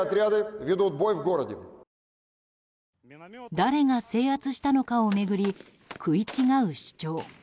誰が制圧したのかを巡り食い違う主張。